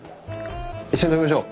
一緒に飲みましょう。